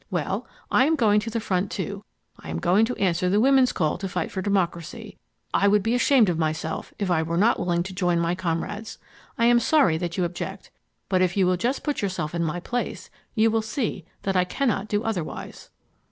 Well, I am going to the front too. I am going to answer the women's call to fight for democracy. I would be ashamed of myself if I were not willing to join my comrades. I am sorry that you object, but if you will just put yourself in my place you will see that I cannot do otherwise."